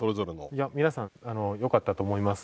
いや皆さんよかったと思います。